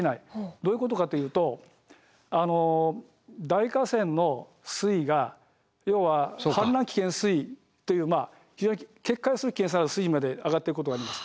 どういうことかというと大河川の水位が要は氾濫危険水位という非常に決壊する危険性のある水位まで上がってることがあります。